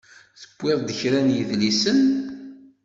Tewwiḍ-d kra n yidlisen?